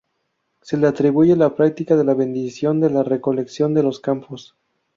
Se le atribuye la práctica de la bendición de la recolección de los campos.